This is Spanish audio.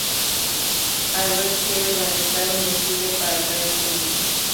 Albert quiere organizar un desfile para atraer público.